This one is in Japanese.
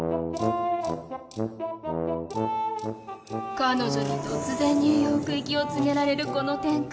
彼女に突然ニューヨーク行きを告げられるこの展開